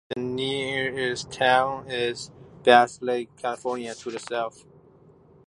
The nearest town is Bass Lake, California, to the south.